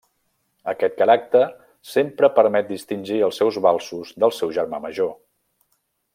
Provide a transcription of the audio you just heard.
Aquest caràcter sempre permet distingir els seus valsos dels del seu germà major.